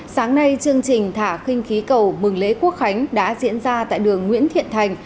sáng nay chương trình thả khinh khí cầu mừng lễ quốc khánh đã diễn ra tại đường nguyễn thiện thành